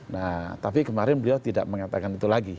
nah tapi kemarin beliau tidak mengatakan itu lagi